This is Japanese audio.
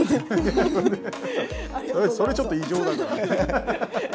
それちょっと異常だから。